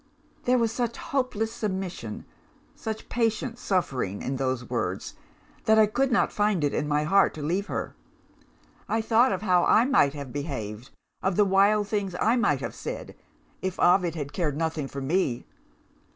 "There was such hopeless submission, such patient suffering, in those words, that I could not find it in my heart to leave her. I thought of how I might have behaved, of the wild things I might have said, if Ovid had cared nothing for me.